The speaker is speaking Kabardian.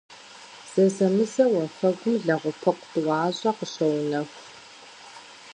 Зэзэмызэ уафэгум лэгъупыкъу тӏуащӏэ къыщоунэху.